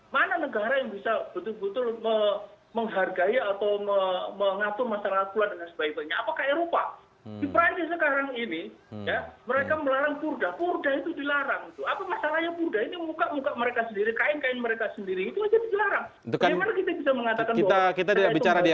makanya seperti seolah olah sudah tertutup pintu untuk dialog untuk penjelasan